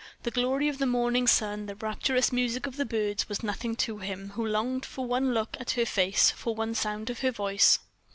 The glory of the morning sun, the rapturous music of the birds, was nothing to him, who longed for one look at her face for one sound of her voice.